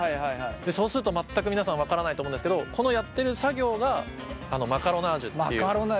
そうすると全く皆さん分からないと思うんですけどこのやってる作業がこの作業をマカロナージュっていうんだ。